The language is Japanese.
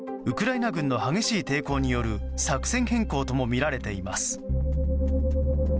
ウクライナ軍の激しい抵抗による作戦変更ともみられています。